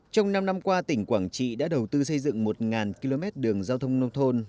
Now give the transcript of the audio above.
trong năm năm qua tỉnh quảng trị đã đầu tư xây dựng một km đường giao thông nông thôn